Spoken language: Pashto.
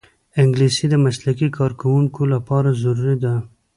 انګلیسي د مسلکي کارکوونکو لپاره ضروري ده